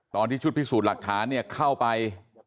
ตอนที่ชุดพิสูจน์หลักฐานเนี่ยเข้าไป